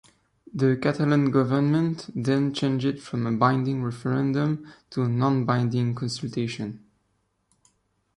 The Catalan government then changed it from a binding referendum to a non-binding "consultation".